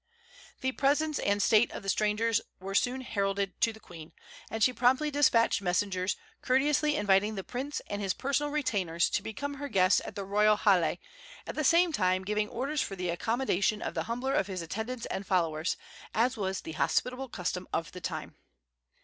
The presence and state of the strangers were soon heralded to the queen, and she promptly despatched messengers, courteously inviting the prince and his personal retainers to become her guests at the royal hale, at the same time giving orders for the accommodation of the humbler of his attendants and followers, as was the hospitable custom of the time.